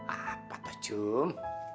apa tuh jum